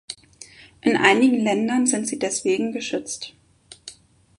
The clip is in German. In einigen Ländern sind sie deswegen geschützt.